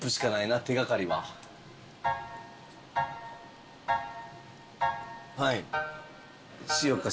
はい。